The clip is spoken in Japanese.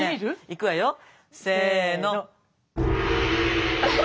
いくわよせの。